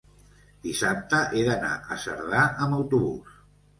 Dissabte he d'anar a Cerdà amb autobús.